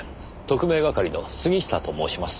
特命係の杉下と申します。